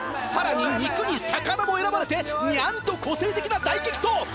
さらに肉に魚も選ばれてニャンと個性的な大激闘！